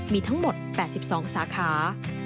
มีทั้งหมด๘๒สาขา